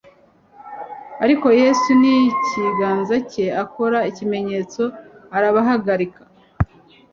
Ariko Yesu n'ikiganza cye akora ikimenyetso, arabahagarika.